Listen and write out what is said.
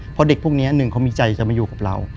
เพราะเด็กพวกนี้หนึ่งเขามีใจจะมาอยู่กับเรา